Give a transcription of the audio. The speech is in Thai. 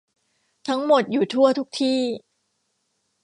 ทั้งหมดอยู่ทั่วทุกที่